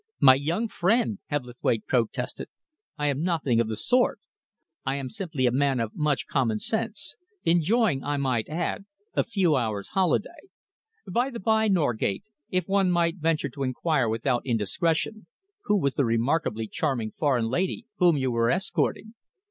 "My young friend," Hebblethwaite protested, "I am nothing of the sort. I am simply a man of much common sense, enjoying, I may add, a few hours' holiday. By the by, Norgate, if one might venture to enquire without indiscretion, who was the remarkably charming foreign lady whom you were escorting?"